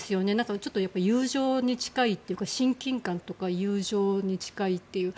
ちょっと友情に近いというか親近感とか友情に近いという。